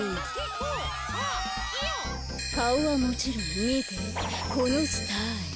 かおはもちろんみてこのスタイル。